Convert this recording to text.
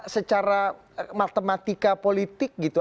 secara matematika politik gitu